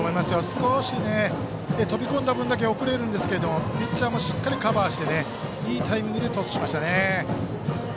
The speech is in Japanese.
少し、飛び込んだ分だけ遅れるんですけれどもピッチャーもしっかりカバーでいいタイミングでトスしました。